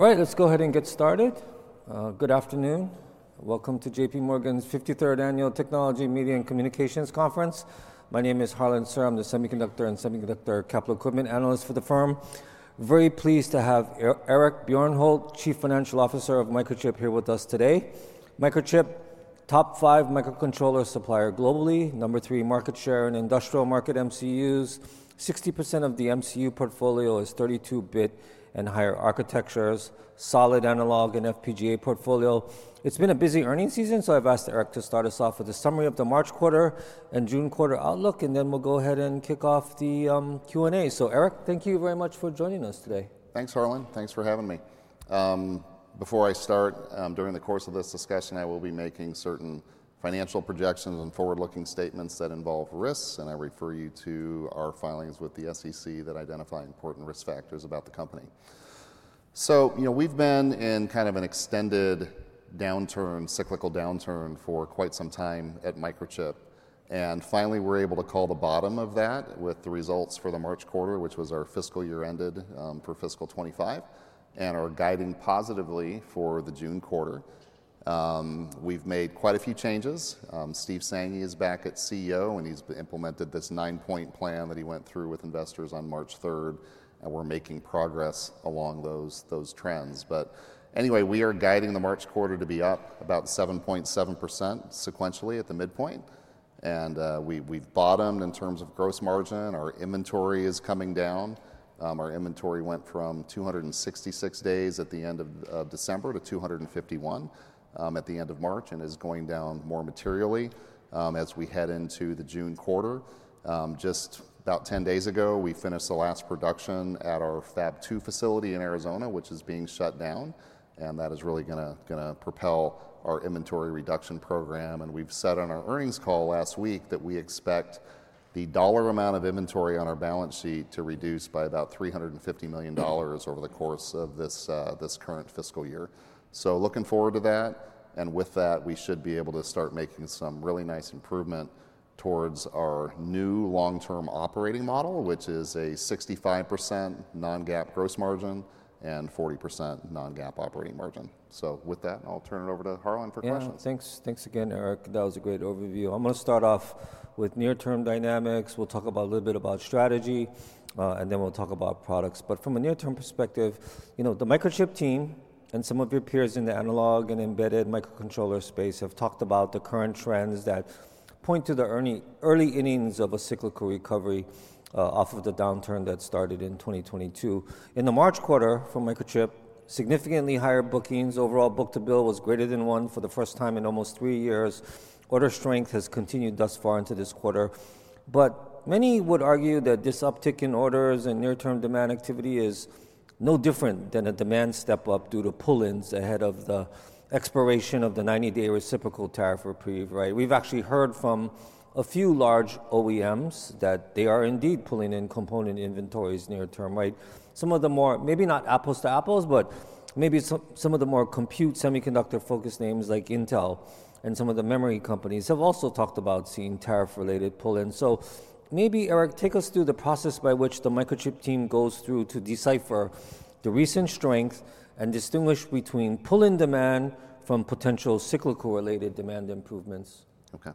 All right, let's go ahead and get started. Good afternoon. Welcome to JPMorgan's 53rd Annual Technology, Media, and Communications Conference. My name is Harlan Sur. I'm the semiconductor and semiconductor capital equipment analyst for the firm. Very pleased to have Eric Bjornholt, Chief Financial Officer of Microchip, here with us today. Microchip, top-five microcontroller supplier globally, number-three market share in industrial market MCUs. 60% of the MCU portfolio is 32-bit and higher architectures, solid analog and FPGA portfolio. It's been a busy earnings season, so I've asked Eric to start us off with a summary of the March quarter and June quarter outlook, and then we'll go ahead and kick off the Q&A. Eric, thank you very much for joining us today. Thanks, Harlan. Thanks for having me. Before I start, during the course of this discussion, I will be making certain financial projections and forward-looking statements that involve risks, and I refer you to our filings with the SEC that identify important risk factors about the company. We've been in kind of an extended downturn, cyclical downturn, for quite some time at Microchip. Finally, we're able to call the bottom of that with the results for the March quarter, which was our fiscal year ended for fiscal 2025, and are guiding positively for the June quarter. We've made quite a few changes. Steve Sanghi is back at CEO, and he's implemented this nine-point plan that he went through with investors on March 3, and we're making progress along those trends. Anyway, we are guiding the March quarter to be up about 7.7% sequentially at the midpoint. We have bottomed in terms of gross margin. Our inventory is coming down. Our inventory went from 266 days at the end of December to 251 at the end of March and is going down more materially as we head into the June quarter. Just about 10 days ago, we finished the last production at our Fab Two facility in Arizona, which is being shut down, and that is really going to propel our inventory reduction program. We said on our earnings call last week that we expect the dollar amount of inventory on our balance sheet to reduce by about $350 million over the course of this current fiscal year. Looking forward to that. With that, we should be able to start making some really nice improvement towards our new long-term operating model, which is a 65% non-GAAP gross margin and 40% non-GAAP operating margin. With that, I'll turn it over to Harlan for questions. Yeah, thanks again, Eric. That was a great overview. I'm going to start off with near-term dynamics. We'll talk a little bit about strategy, and then we'll talk about products. From a near-term perspective, the Microchip team and some of your peers in the analog and embedded microcontroller space have talked about the current trends that point to the early innings of a cyclical recovery off of the downturn that started in 2022. In the March quarter for Microchip, significantly higher bookings. Overall book-to-bill was greater than one for the first time in almost 3 years. Order strength has continued thus far into this quarter. Many would argue that this uptick in orders and near-term demand activity is no different than a demand step up due to pull-ins ahead of the expiration of the 90-day reciprocal tariff reprieve. We've actually heard from a few large OEMs that they are indeed pulling in component inventories near term. Some of the more, maybe not apples to apples, but maybe some of the more compute semiconductor-focused names like Intel and some of the memory companies have also talked about seeing tariff-related pull-ins. Maybe, Eric, take us through the process by which the Microchip team goes through to decipher the recent strength and distinguish between pull-in demand from potential cyclical-related demand improvements. Okay.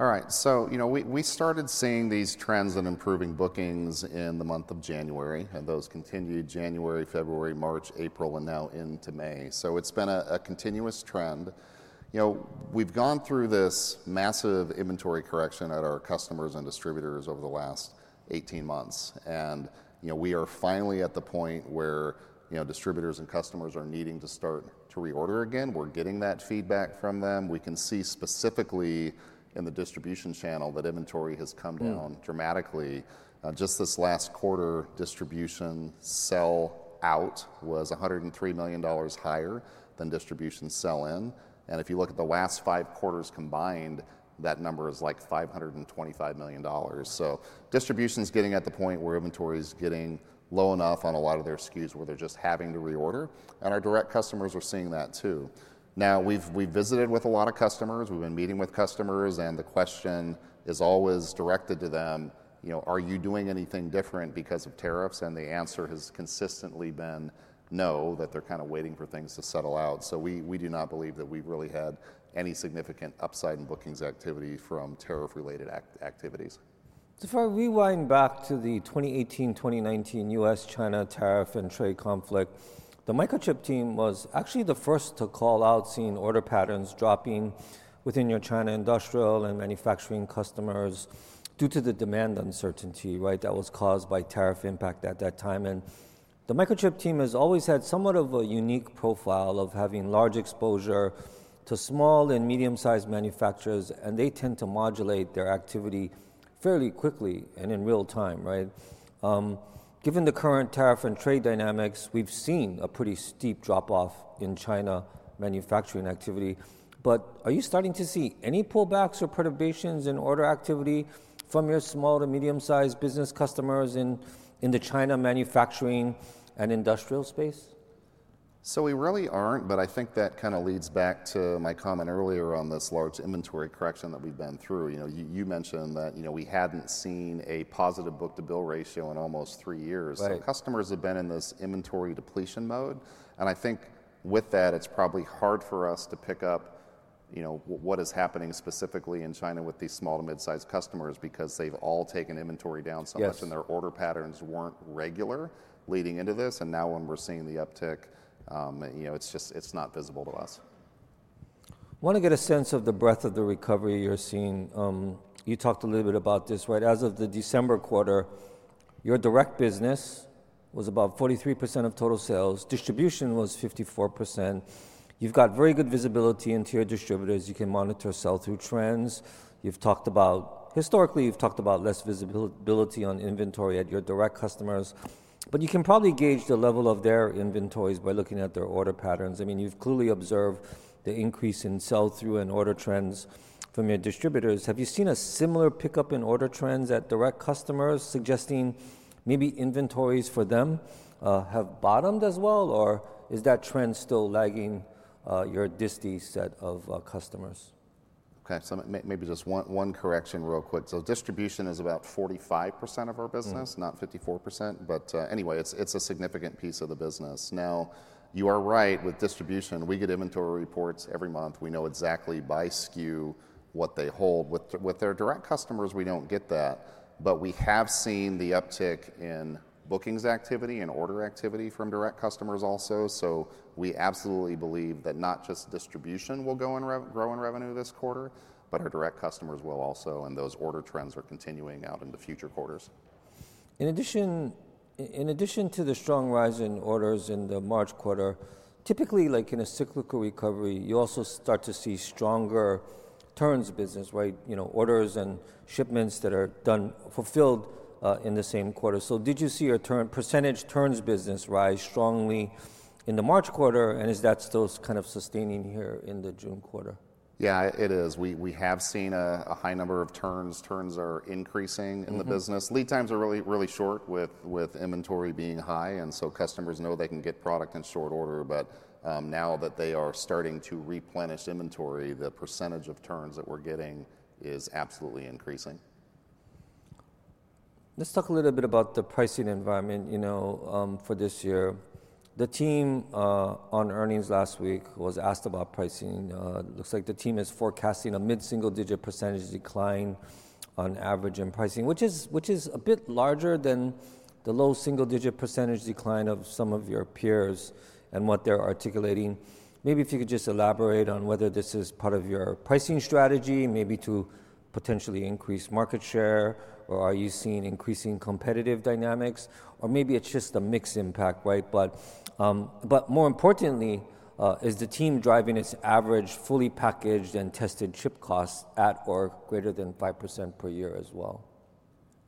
All right. We started seeing these trends in improving bookings in the month of January, and those continued January, February, March, April, and now into May. It has been a continuous trend. We have gone through this massive inventory correction at our customers and distributors over the last 18 months. We are finally at the point where distributors and customers are needing to start to reorder again. We are getting that feedback from them. We can see specifically in the distribution channel that inventory has come down dramatically. Just this last quarter, distribution sell-out was $103 million higher than distribution sell-in. If you look at the last five quarters combined, that number is like $525 million. Distribution is getting at the point where inventory is getting low enough on a lot of their SKUs where they are just having to reorder. Our direct customers are seeing that too. Now, we've visited with a lot of customers. We've been meeting with customers, and the question is always directed to them, "Are you doing anything different because of tariffs?" The answer has consistently been no, that they're kind of waiting for things to settle out. We do not believe that we've really had any significant upside in bookings activity from tariff-related activities. If I rewind back to the 2018-2019 U.S.-China tariff and trade conflict, the Microchip team was actually the first to call out seeing order patterns dropping within your China industrial and manufacturing customers due to the demand uncertainty that was caused by tariff impact at that time. The Microchip team has always had somewhat of a unique profile of having large exposure to small and medium-sized manufacturers, and they tend to modulate their activity fairly quickly and in real time. Given the current tariff and trade dynamics, we've seen a pretty steep drop-off in China manufacturing activity. Are you starting to see any pullbacks or perturbations in order activity from your small to medium-sized business customers in the China manufacturing and industrial space? We really aren't, but I think that kind of leads back to my comment earlier on this large inventory correction that we've been through. You mentioned that we hadn't seen a positive book-to-bill ratio in almost three years. Customers have been in this inventory depletion mode. I think with that, it's probably hard for us to pick up what is happening specifically in China with these small to mid-sized customers because they've all taken inventory down so much and their order patterns weren't regular leading into this. Now when we're seeing the uptick, it's not visible to us. I want to get a sense of the breadth of the recovery you're seeing. You talked a little bit about this. As of the December quarter, your direct business was about 43% of total sales. Distribution was 54%. You've got very good visibility into your distributors. You can monitor sell-through trends. Historically, you've talked about less visibility on inventory at your direct customers. But you can probably gauge the level of their inventories by looking at their order patterns. I mean, you've clearly observed the increase in sell-through and order trends from your distributors. Have you seen a similar pickup in order trends at direct customers, suggesting maybe inventories for them have bottomed as well, or is that trend still lagging your disty set of customers? Okay. So maybe just one correction real quick. Distribution is about 45% of our business, not 54%. Anyway, it is a significant piece of the business. You are right with distribution. We get inventory reports every month. We know exactly by SKU what they hold. With their direct customers, we do not get that. We have seen the uptick in bookings activity and order activity from direct customers also. We absolutely believe that not just distribution will grow in revenue this quarter, but our direct customers will also, and those order trends are continuing out into future quarters. In addition to the strong rise in orders in the March quarter, typically like in a cyclical recovery, you also start to see stronger turns business, orders and shipments that are fulfilled in the same quarter. Did you see your percentage turns business rise strongly in the March quarter, and is that still kind of sustaining here in the June quarter? Yeah, it is. We have seen a high number of turns. Turns are increasing in the business. Lead times are really short with inventory being high, and customers know they can get product in short order. Now that they are starting to replenish inventory, the percentage of turns that we're getting is absolutely increasing. Let's talk a little bit about the pricing environment for this year. The team on earnings last week was asked about pricing. It looks like the team is forecasting a mid-single-digit % decline on average in pricing, which is a bit larger than the low single-digit % decline of some of your peers and what they're articulating. Maybe if you could just elaborate on whether this is part of your pricing strategy, maybe to potentially increase market share, or are you seeing increasing competitive dynamics, or maybe it's just a mixed impact, but more importantly, is the team driving its average fully packaged and tested chip costs at or greater than 5% per year as well?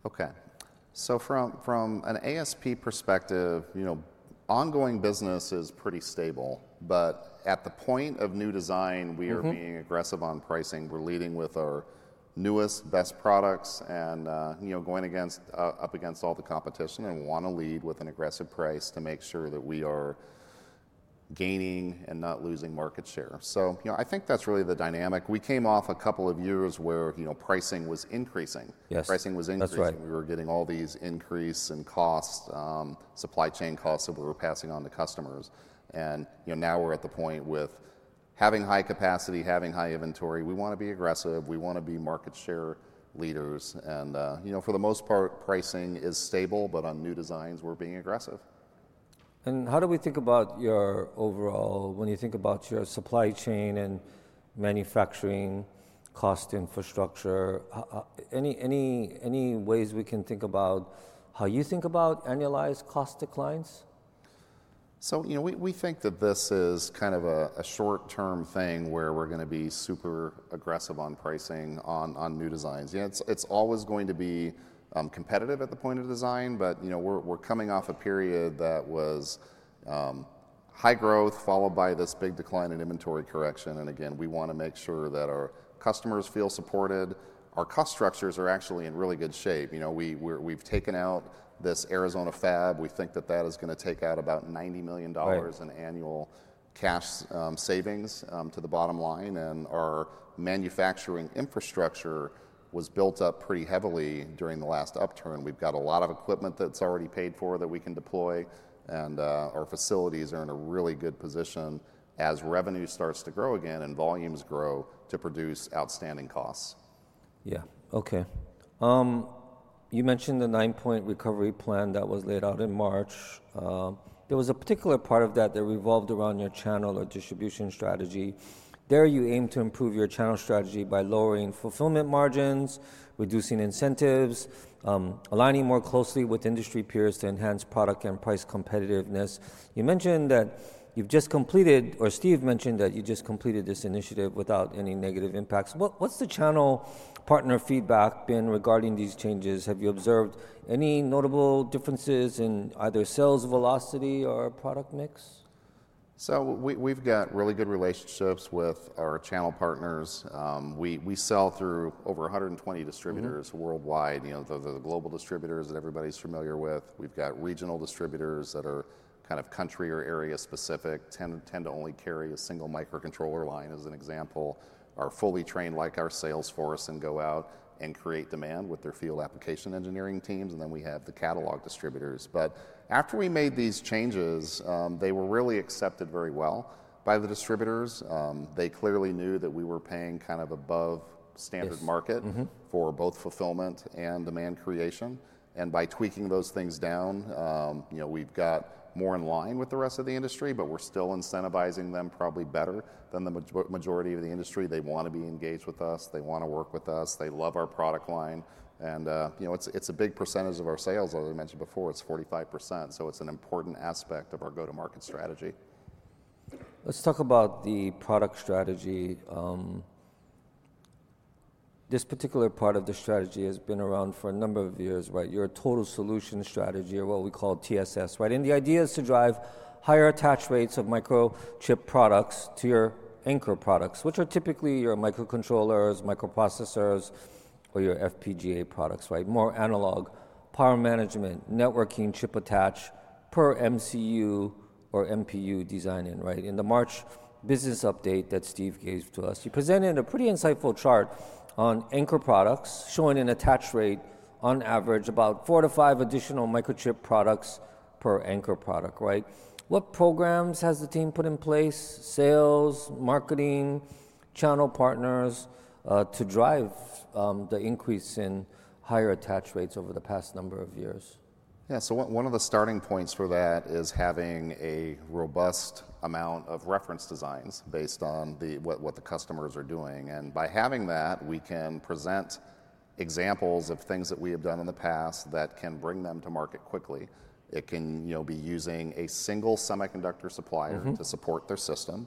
Okay. From an ASP perspective, ongoing business is pretty stable. At the point of new design, we are being aggressive on pricing. We are leading with our newest, best products and going up against all the competition and want to lead with an aggressive price to make sure that we are gaining and not losing market share. I think that is really the dynamic. We came off a couple of years where pricing was increasing. We were getting all these increases in cost, supply chain costs that we were passing on to customers. Now we are at the point with having high capacity, having high inventory. We want to be aggressive. We want to be market share leaders. For the most part, pricing is stable, but on new designs, we are being aggressive. How do we think about your overall, when you think about your supply chain and manufacturing cost infrastructure, any ways we can think about how you think about annualized cost declines? We think that this is kind of a short-term thing where we're going to be super aggressive on pricing on new designs. It's always going to be competitive at the point of design, but we're coming off a period that was high growth followed by this big decline in inventory correction. Again, we want to make sure that our customers feel supported. Our cost structures are actually in really good shape. We've taken out this Arizona fab. We think that that is going to take out about $90 million in annual cash savings to the bottom line. Our manufacturing infrastructure was built up pretty heavily during the last upturn. We've got a lot of equipment that's already paid for that we can deploy. Our facilities are in a really good position as revenue starts to grow again and volumes grow to produce outstanding costs. Yeah. Okay. You mentioned the nine-point recovery plan that was laid out in March. There was a particular part of that that revolved around your channel or distribution strategy. There you aim to improve your channel strategy by lowering fulfillment margins, reducing incentives, aligning more closely with industry peers to enhance product and price competitiveness. You mentioned that you've just completed, or Steve mentioned that you just completed this initiative without any negative impacts. What's the channel partner feedback been regarding these changes? Have you observed any notable differences in either sales velocity or product mix? We have really good relationships with our channel partners. We sell through over 120 distributors worldwide, the global distributors that everybody's familiar with. We have regional distributors that are kind of country or area specific, tend to only carry a single microcontroller line as an example, are fully trained like our Salesforce and go out and create demand with their field application engineering teams. We also have the catalog distributors. After we made these changes, they were really accepted very well by the distributors. They clearly knew that we were paying kind of above standard market for both fulfillment and demand creation. By tweaking those things down, we have more in line with the rest of the industry, but we are still incentivizing them probably better than the majority of the industry. They want to be engaged with us. They want to work with us. They love our product line. It is a big percentage of our sales, as I mentioned before. It is 45 percent. It is an important aspect of our go-to-market strategy. Let's talk about the product strategy. This particular part of the strategy has been around for a number of years. Your total solution strategy, or what we call TSS, and the idea is to drive higher attach rates of Microchip products to your Anchor products, which are typically your microcontrollers, microprocessors, or your FPGA products, more analog power management, networking, chip attach per MCU or MPU design. In the March business update that Steve gave to us, he presented a pretty insightful chart on Anchor products showing an attach rate on average about 4 to 5 additional Microchip products per Anchor product. What programs has the team put in place, sales, marketing, channel partners to drive the increase in higher attach rates over the past number of years? Yeah. One of the starting points for that is having a robust amount of reference designs based on what the customers are doing. By having that, we can present examples of things that we have done in the past that can bring them to market quickly. It can be using a single semiconductor supplier to support their system.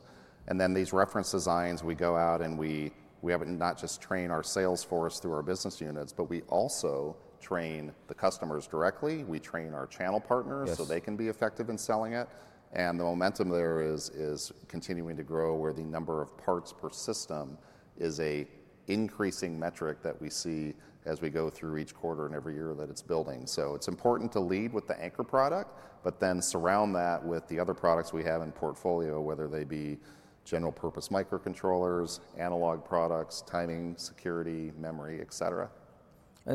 These reference designs, we go out and we not just train our Salesforce through our business units, but we also train the customers directly. We train our channel partners so they can be effective in selling it. The momentum there is continuing to grow where the number of parts per system is an increasing metric that we see as we go through each quarter and every year that it's building. It's important to lead with the Anchor product, but then surround that with the other products we have in portfolio, whether they be general-purpose microcontrollers, analog products, timing, security, memory,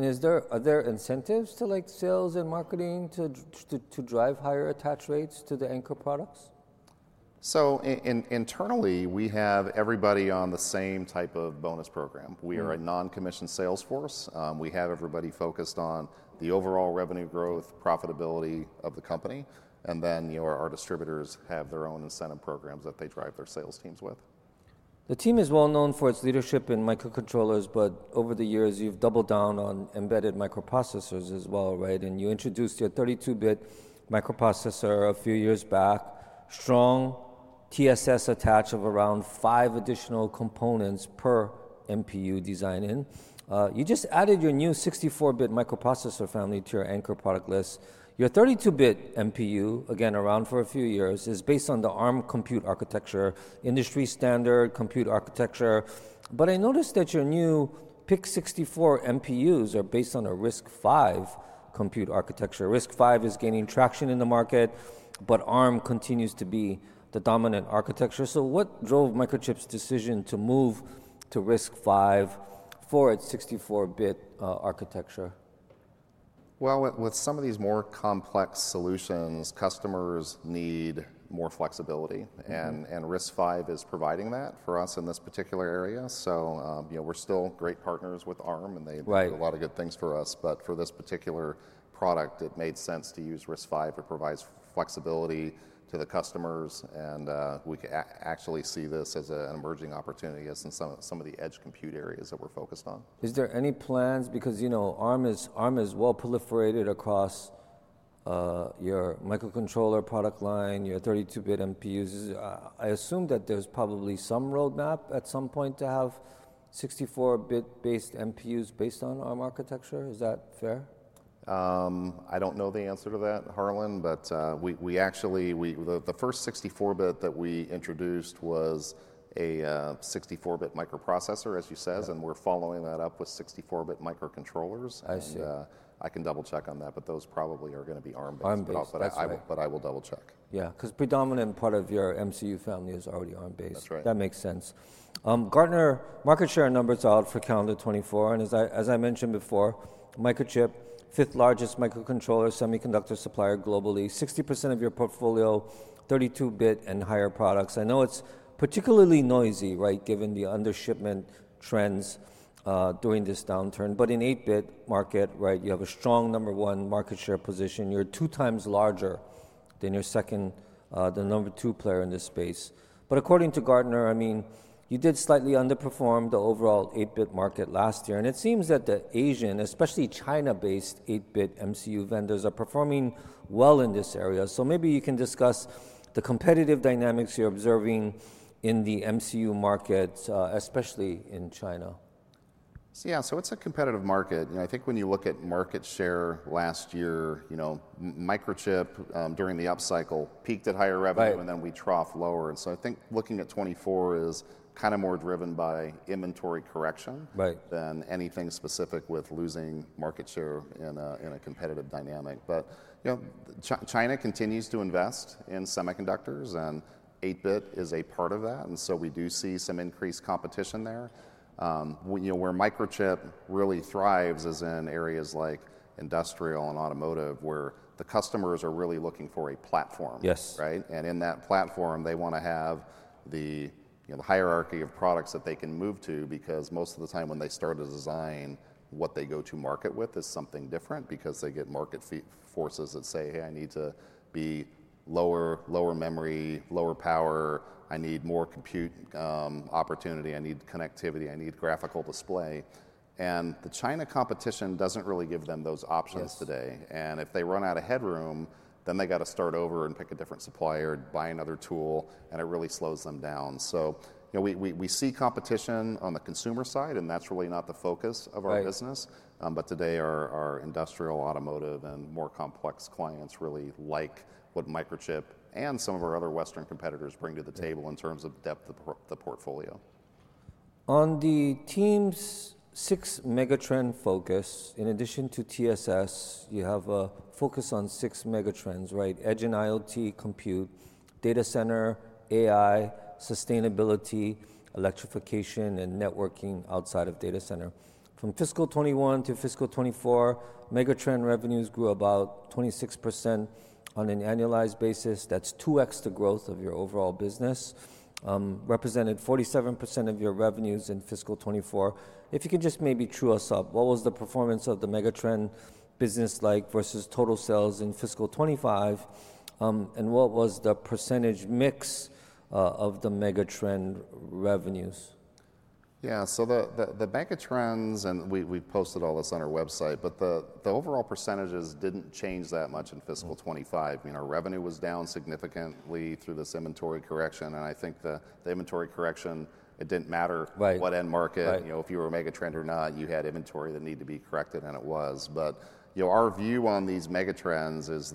etc. Are there incentives to sales and marketing to drive higher attach rates to the Anchor products? Internally, we have everybody on the same type of bonus program. We are a non-commissioned Salesforce. We have everybody focused on the overall revenue growth, profitability of the company. Our distributors have their own incentive programs that they drive their sales teams with. The team is well known for its leadership in microcontrollers, but over the years, you've doubled down on embedded microprocessors as well. You introduced your 32-bit microprocessor a few years back, strong TSS attach of around 5 additional components per MPU design. You just added your new 64-bit microprocessor family to your Anchor product list. Your 32-bit MPU, again, around for a few years, is based on the ARM Compute Architecture industry standard compute architecture. I noticed that your new PIC64 MPUs are based on a RISC-V compute architecture. RISC-V is gaining traction in the market, but ARM continues to be the dominant architecture. What drove Microchip's decision to move to RISC-V for its 64-bit architecture? With some of these more complex solutions, customers need more flexibility. RISC-V is providing that for us in this particular area. We are still great partners with ARM, and they do a lot of good things for us. For this particular product, it made sense to use RISC-V. It provides flexibility to the customers, and we can actually see this as an emerging opportunity in some of the edge compute areas that we are focused on. Is there any plans? Because ARM is well proliferated across your microcontroller product line, your 32-bit MPUs. I assume that there's probably some roadmap at some point to have 64-bit-based MPUs based on ARM architecture. Is that fair? I don't know the answer to that, Harlan, but the first 64-bit that we introduced was a 64-bit microprocessor, as you said, and we're following that up with 64-bit microcontrollers. I can double-check on that, but those probably are going to be ARM-based. I will double-check. Yeah, because the predominant part of your MCU family is already ARM-based. That makes sense. Gartner, market share numbers out for calendar 2024. As I mentioned before, Microchip, fifth largest microcontroller semiconductor supplier globally, 60% of your portfolio, 32-bit and higher products. I know it's particularly noisy given the undershipment trends during this downturn, but in 8-bit market, you have a strong number one market share position. You're two times larger than your second, the number two player in this space. According to Gartner, I mean, you did slightly underperform the overall 8-bit market last year. It seems that the Asian, especially China-based 8-bit MCU vendors are performing well in this area. Maybe you can discuss the competitive dynamics you're observing in the MCU market, especially in China. Yeah. It is a competitive market. I think when you look at market share last year, Microchip during the upcycle peaked at higher revenue, and then we trough lower. I think looking at 2024 is kind of more driven by inventory correction than anything specific with losing market share in a competitive dynamic. China continues to invest in semiconductors, and 8-bit is a part of that. We do see some increased competition there. Where Microchip really thrives is in areas like industrial and automotive where the customers are really looking for a platform. In that platform, they want to have the hierarchy of products that they can move to because most of the time when they start a design, what they go to market with is something different because they get market forces that say, "Hey, I need to be lower memory, lower power. I need more compute opportunity. I need connectivity. I need graphical display. The China competition does not really give them those options today. If they run out of headroom, then they have to start over and pick a different supplier and buy another tool, and it really slows them down. We see competition on the consumer side, and that is really not the focus of our business. Today, our industrial, automotive, and more complex clients really like what Microchip and some of our other Western competitors bring to the table in terms of depth of the portfolio. On the team's six megatrend focus, in addition to TSS, you have a focus on six megatrends: edge and IoT compute, data center, AI, sustainability, electrification, and networking outside of data center. From fiscal 2021 to fiscal 2024, megatrend revenues grew about 26% on an annualized basis. That's 2x the growth of your overall business, represented 47% of your revenues in fiscal 2024. If you can just maybe chew us up, what was the performance of the megatrend business like versus total sales in fiscal 2025? And what was the percentage mix of the megatrend revenues? Yeah. The megatrends, and we posted all this on our website, but the overall percentages did not change that much in fiscal 2025. Our revenue was down significantly through this inventory correction. I think the inventory correction, it did not matter what end market, if you were a megatrend or not, you had inventory that needed to be corrected, and it was. Our view on these megatrends is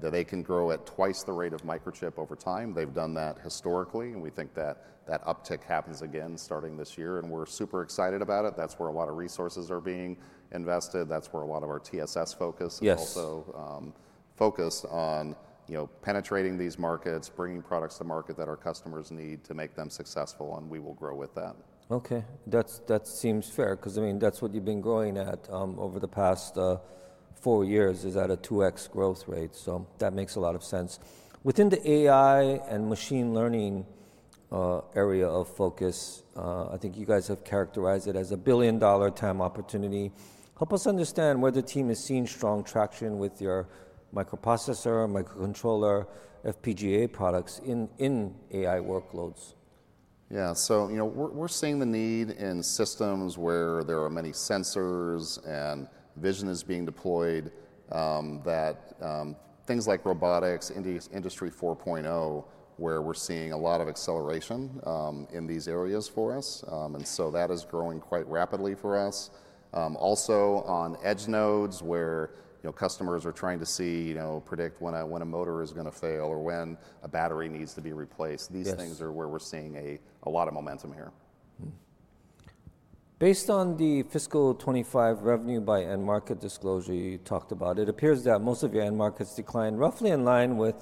that they can grow at twice the rate of Microchip over time. They have done that historically. We think that uptick happens again starting this year, and we are super excited about it. That is where a lot of resources are being invested. That is where a lot of our TSS focus is also focused on penetrating these markets, bringing products to market that our customers need to make them successful, and we will grow with that. Okay. That seems fair because, I mean, that's what you've been growing at over the past four years is at a 2x growth rate. That makes a lot of sense. Within the AI and machine learning area of focus, I think you guys have characterized it as a billion-dollar time opportunity. Help us understand where the team is seeing strong traction with your microprocessor, microcontroller, FPGA products in AI workloads. Yeah. We are seeing the need in systems where there are many sensors and vision is being deployed, that things like robotics, industry 4.0, where we are seeing a lot of acceleration in these areas for us. That is growing quite rapidly for us. Also, on edge nodes where customers are trying to see, predict when a motor is going to fail or when a battery needs to be replaced, these things are where we are seeing a lot of momentum here. Based on the fiscal 2025 revenue by end market disclosure you talked about, it appears that most of your end markets declined roughly in line with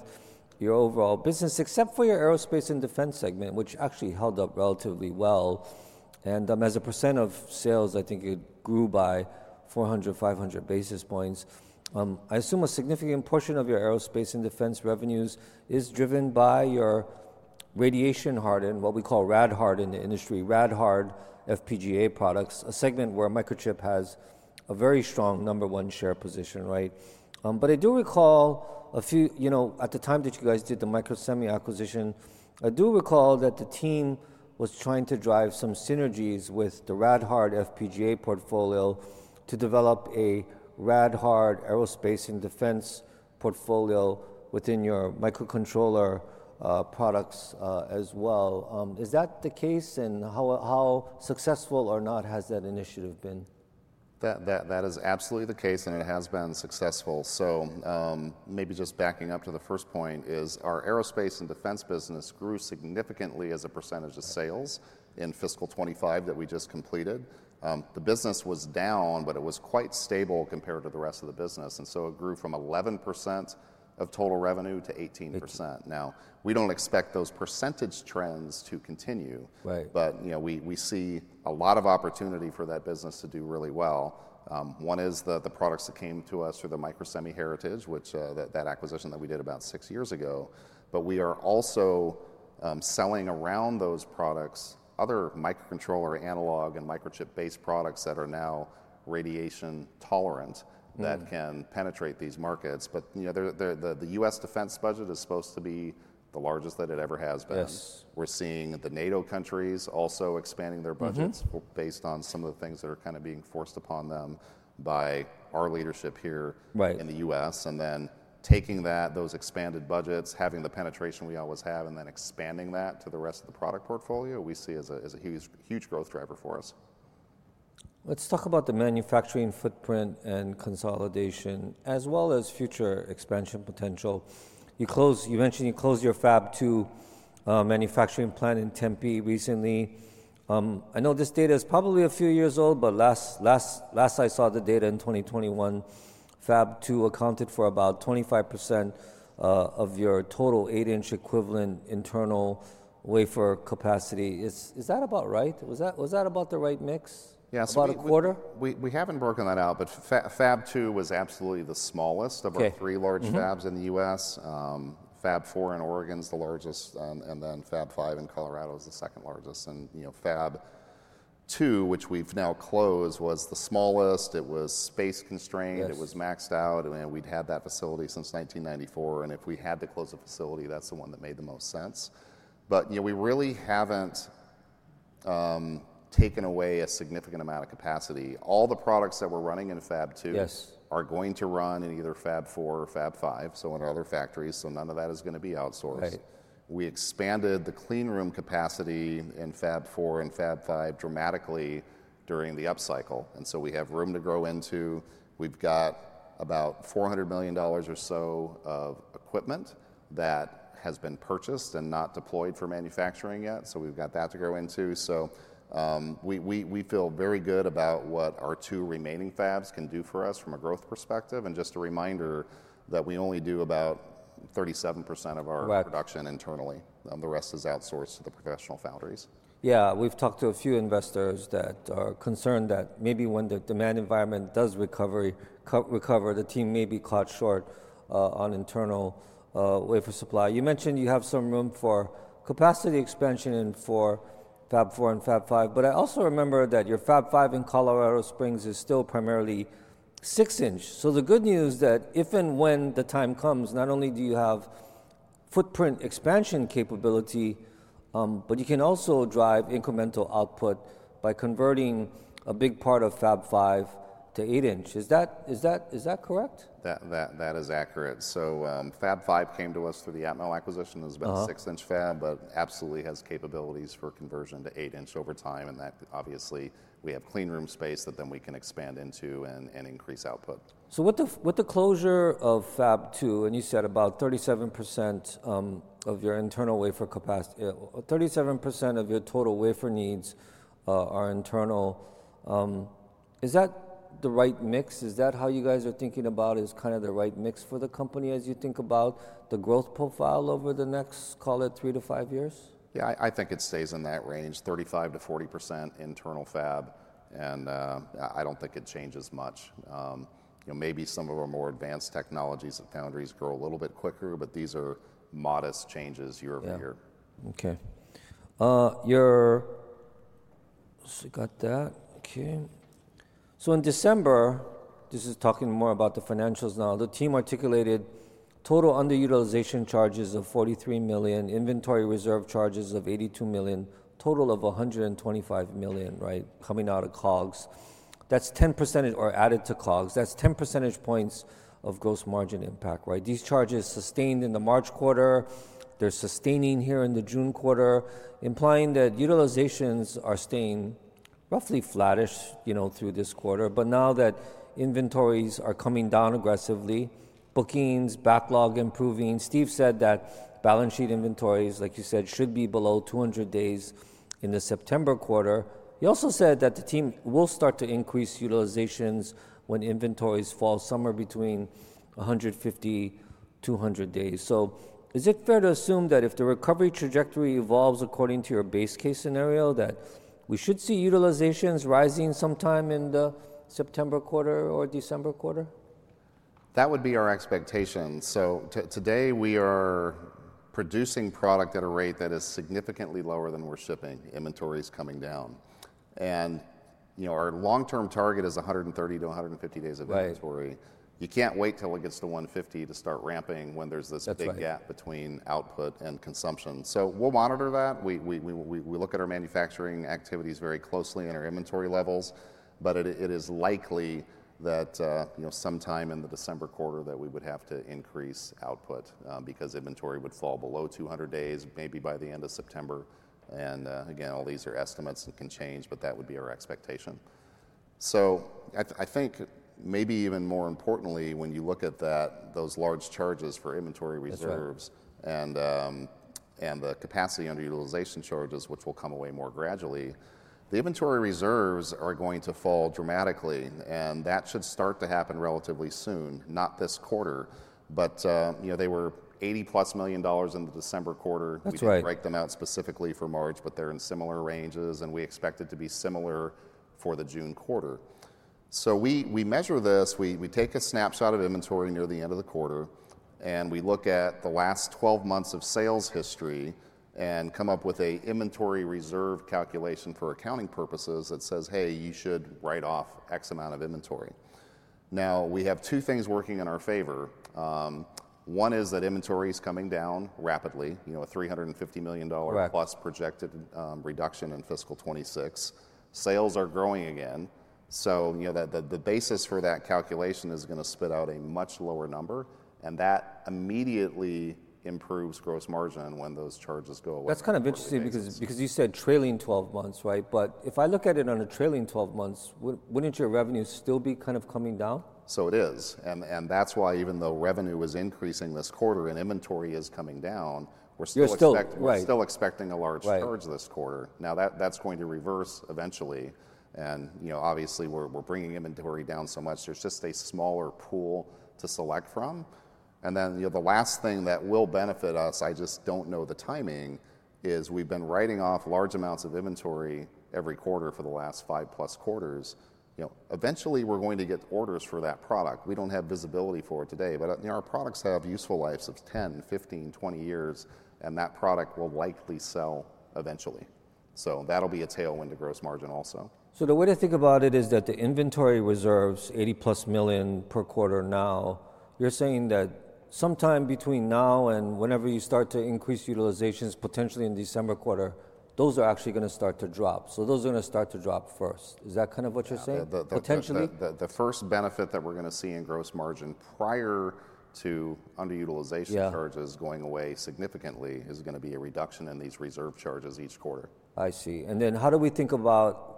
your overall business, except for your aerospace and defense segment, which actually held up relatively well. As a percent of sales, I think it grew by 400-500 basis points. I assume a significant portion of your aerospace and defense revenues is driven by your radiation harden, what we call rad hard in the industry, rad hard FPGA products, a segment where Microchip has a very strong number one share position. I do recall at the time that you guys did the Microsemi acquisition, I do recall that the team was trying to drive some synergies with the rad hard FPGA portfolio to develop a rad hard aerospace and defense portfolio within your microcontroller products as well. Is that the case? How successful or not has that initiative been? That is absolutely the case, and it has been successful. Maybe just backing up to the first point, our aerospace and defense business grew significantly as a percentage of sales in fiscal 2025 that we just completed. The business was down, but it was quite stable compared to the rest of the business. It grew from 11% of total revenue to 18%. Now, we do not expect those percentage trends to continue, but we see a lot of opportunity for that business to do really well. One is the products that came to us through the Microsemi heritage, that acquisition that we did about six years ago. We are also selling around those products other microcontroller, analog, and Microchip-based products that are now radiation tolerant that can penetrate these markets. The US defense budget is supposed to be the largest that it ever has been. We're seeing the NATO countries also expanding their budgets based on some of the things that are kind of being forced upon them by our leadership here in the U.S. Taking those expanded budgets, having the penetration we always have, and then expanding that to the rest of the product portfolio, we see as a huge growth driver for us. Let's talk about the manufacturing footprint and consolidation as well as future expansion potential. You mentioned you closed your Fab 2 manufacturing plant in Tempe recently. I know this data is probably a few years old, but last I saw the data in 2021, Fab 2 accounted for about 25% of your total 8-inch equivalent internal wafer capacity. Is that about right? Was that about the right mix? About a quarter? We haven't broken that out, but Fab 2 was absolutely the smallest of our three large fabs in the U.S. Fab 4 in Oregon is the largest, and then Fab 5 in Colorado is the second largest. Fab 2, which we've now closed, was the smallest. It was space constrained. It was maxed out. We'd had that facility since 1994. If we had to close a facility, that's the one that made the most sense. We really haven't taken away a significant amount of capacity. All the products that we're running in Fab 2 are going to run in either Fab 4 or Fab 5, in other factories. None of that is going to be outsourced. We expanded the clean room capacity in Fab 4 and Fab 5 dramatically during the upcycle. We have room to grow into. We've got about $400 million or so of equipment that has been purchased and not deployed for manufacturing yet. We've got that to grow into. We feel very good about what our two remaining fabs can do for us from a growth perspective. Just a reminder that we only do about 37% of our production internally. The rest is outsourced to the professional foundries. Yeah. We've talked to a few investors that are concerned that maybe when the demand environment does recover, the team may be caught short on internal wafer supply. You mentioned you have some room for capacity expansion for Fab 4 and Fab 5. I also remember that your Fab 5 in Colorado Springs is still primarily 6-inch. The good news is that if and when the time comes, not only do you have footprint expansion capability, but you can also drive incremental output by converting a big part of Fab 5 to 8-inch. Is that correct? That is accurate. Fab 5 came to us through the Atmel acquisition as a 6-inch fab, but absolutely has capabilities for conversion to 8-inch over time. That obviously we have clean room space that then we can expand into and increase output. With the closure of Fab 2, and you said about 37% of your internal wafer capacity, 37% of your total wafer needs are internal. Is that the right mix? Is that how you guys are thinking about is kind of the right mix for the company as you think about the growth profile over the next, call it, three to five years? Yeah, I think it stays in that range, 35%-40% internal fab. I do not think it changes much. Maybe some of our more advanced technologies and foundries grow a little bit quicker, but these are modest changes year over year. Okay. Let's look at that. Okay. So in December, this is talking more about the financials now, the team articulated total underutilization charges of $43 million, inventory reserve charges of $82 million, total of $125 million coming out of COGS. That's 10% or added to COGS. That's 10 percentage points of gross margin impact. These charges sustained in the March quarter. They're sustaining here in the June quarter, implying that utilizations are staying roughly flattish through this quarter. Now that inventories are coming down aggressively, bookings, backlog improving. Steve said that balance sheet inventories, like you said, should be below 200 days in the September quarter. He also said that the team will start to increase utilizations when inventories fall somewhere between 150-200 days. Is it fair to assume that if the recovery trajectory evolves according to your base case scenario, that we should see utilizations rising sometime in the September quarter or December quarter? That would be our expectation. Today, we are producing product at a rate that is significantly lower than we're shipping. Inventory is coming down. Our long-term target is 130-150 days of inventory. You can't wait till it gets to 150 to start ramping when there's this big gap between output and consumption. We'll monitor that. We look at our manufacturing activities very closely and our inventory levels. It is likely that sometime in the December quarter we would have to increase output because inventory would fall below 200 days, maybe by the end of September. Again, all these are estimates and can change, but that would be our expectation. I think maybe even more importantly, when you look at those large charges for inventory reserves and the capacity underutilization charges, which will come away more gradually, the inventory reserves are going to fall dramatically. That should start to happen relatively soon, not this quarter. They were $80 million-plus in the December quarter. We did not break them out specifically for March, but they are in similar ranges. We expect it to be similar for the June quarter. We measure this. We take a snapshot of inventory near the end of the quarter. We look at the last 12 months of sales history and come up with an inventory reserve calculation for accounting purposes that says, "Hey, you should write off X amount of inventory." Now, we have two things working in our favor. One is that inventory is coming down rapidly, a $350 million-plus projected reduction in fiscal 2026. Sales are growing again. The basis for that calculation is going to spit out a much lower number. That immediately improves gross margin when those charges go away. That's kind of interesting because you said trailing 12 months, right? If I look at it on a trailing 12 months, wouldn't your revenue still be kind of coming down? It is. That is why even though revenue is increasing this quarter and inventory is coming down, we are still expecting a large surge this quarter. That is going to reverse eventually. Obviously, we are bringing inventory down so much. There is just a smaller pool to select from. The last thing that will benefit us, I just do not know the timing, is we have been writing off large amounts of inventory every quarter for the last five-plus quarters. Eventually, we are going to get orders for that product. We do not have visibility for it today. Our products have useful lives of 10, 15, 20 years. That product will likely sell eventually. That will be a tailwind to gross margin also. The way to think about it is that the inventory reserves, $80 million-plus per quarter now, you're saying that sometime between now and whenever you start to increase utilizations, potentially in December quarter, those are actually going to start to drop. Those are going to start to drop first. Is that kind of what you're saying? Potentially? The first benefit that we're going to see in gross margin prior to underutilization charges going away significantly is going to be a reduction in these reserve charges each quarter. I see. And then how do we think about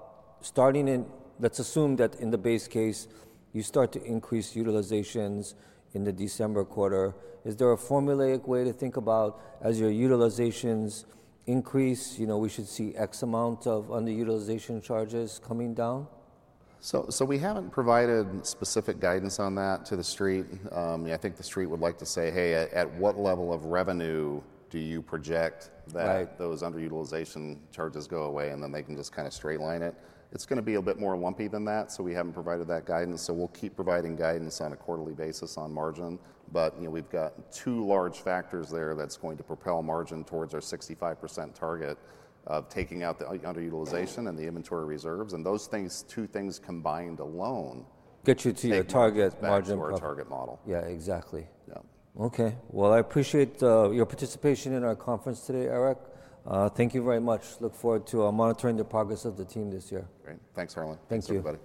starting in, let's assume that in the base case, you start to increase utilizations in the December quarter. Is there a formulaic way to think about as your utilizations increase, we should see X amount of underutilization charges coming down? We have not provided specific guidance on that to the street. I think the street would like to say, "Hey, at what level of revenue do you project that those underutilization charges go away?" and then they can just kind of straight line it. It is going to be a bit more lumpy than that. We have not provided that guidance. We will keep providing guidance on a quarterly basis on margin. We have two large factors there that are going to propel margin towards our 65% target of taking out the underutilization and the inventory reserves. Those two things combined alone. Get you to your target margin. That's our target model. Yeah, exactly. Okay. I appreciate your participation in our conference today, Eric. Thank you very much. Look forward to monitoring the progress of the team this year. Great. Thanks, Harlan. Thank you.